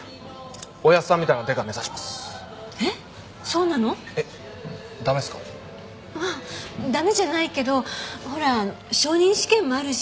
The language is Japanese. ううんダメじゃないけどほら昇任試験もあるし。